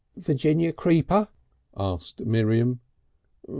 "Virginia creeper?" asked Miriam.